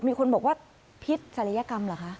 มีคนบอกว่าพิษศัลยกรรมเหรอคะ